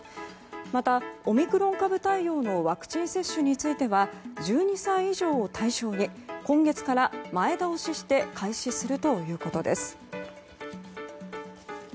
また、オミクロン株対応のワクチン接種については１２歳以上を対象に今月から前倒しして開始するということです。